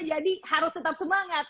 jadi harus tetap semangat